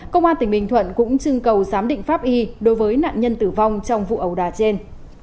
công an tỉnh bình thuận cũng chưng cầu giám định pháp y đối với nạn nhân tử vong trong vụ ẩu đà trên